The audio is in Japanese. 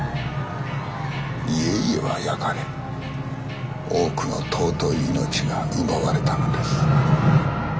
家々は焼かれ多くの尊い命が奪われたのです。